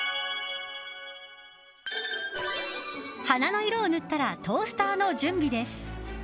花の色を塗ったらトースターの準備です。